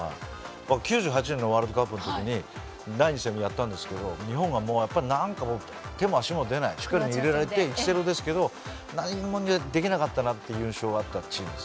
僕９８年のワールドカップの時に第２戦でやったんですけど日本が、なんか手も足も出ない１−０ですけど何もできなかったという印象があったチームです。